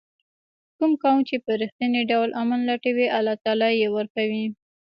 کوم قوم چې په رښتیني ډول امن لټوي الله تعالی یې ورکوي.